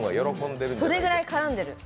それぐらい絡んでる。